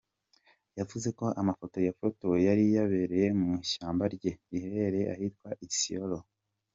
Yavuze ko amafoto yafotowe yari yibereye mu ishyamba rye riherereye ahitwa Isiolo.